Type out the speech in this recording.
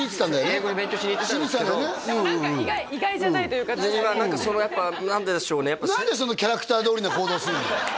英語勉強しに行ってたんですけどでも何か意外じゃない何かやっぱ何でしょうね何でそんなキャラクターどおりの行動すんの？